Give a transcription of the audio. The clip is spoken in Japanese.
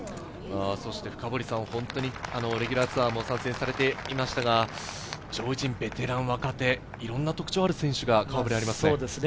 本当にレギュラーツアーも参戦されていましたが、上位陣、ベテラン、若手、いろんな特徴がある選手が顔触れありますね。